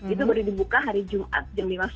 itu baru dibuka hari jumat jam lima subuh gitu